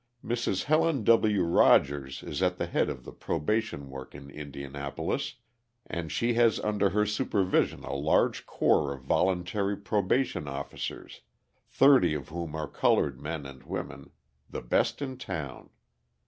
Mrs. Helen W. Rogers is at the head of the probation work in Indianapolis, and she has under her supervision a large corps of voluntary probation officers, thirty of whom are coloured men and women the best in town.